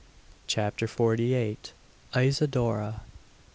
CHAPTER FORTY EIGHT. ISIDORA.